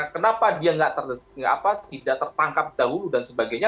kenapa dia tidak tertangkap dahulu dan sebagainya